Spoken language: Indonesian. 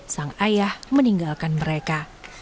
sang ayah meninggalkan mereka